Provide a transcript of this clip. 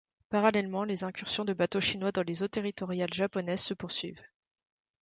Parallèlement, les incursions de bateaux chinois dans les eaux territoriales japonaises se poursuivent.